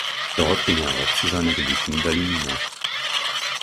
Dort ging er auch zu seiner Geliebten Dalinina.